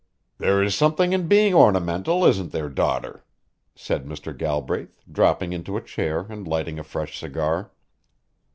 "There is something in being ornamental, isn't there, daughter?" said Mr. Galbraith, dropping into a chair and lighting a fresh cigar.